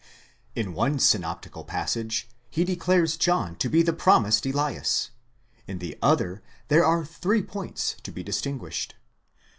In one synoptical passage, he declares John to be the promised Elias ; in the other, there are three points to be distinguished.